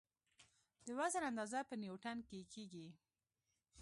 د وزن اندازه په نیوټن کې کېږي.